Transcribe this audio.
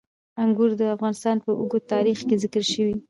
انګور د افغانستان په اوږده تاریخ کې ذکر شوي.